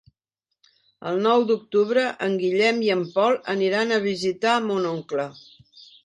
El nou d'octubre en Guillem i en Pol aniran a visitar mon oncle.